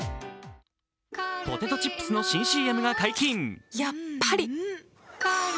ポテトチップスの新ＣＭが解禁。